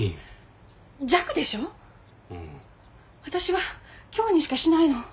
私は「強」にしかしないの。